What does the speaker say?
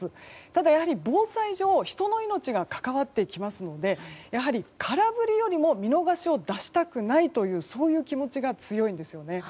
ただ、防災上人の命が関わってきますのでやはり空振りよりも見逃しを出したくない気持ちが強いんです。